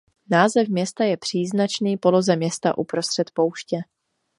Název města je příznačný poloze města uprostřed pouště.